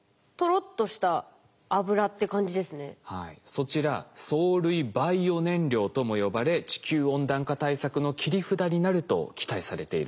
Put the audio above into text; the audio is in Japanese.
そちら藻類バイオ燃料とも呼ばれ地球温暖化対策の切り札になると期待されているんです。